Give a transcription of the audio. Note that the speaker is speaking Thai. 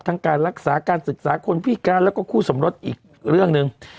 การรักษาการศึกษาคนพิการแล้วก็คู่สมรสอีกเรื่องหนึ่ง